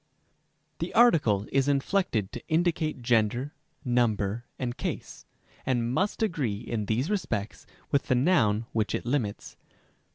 The article is inflected to indicate gender, number, and case, and must agree in these respects with the noun which it limits.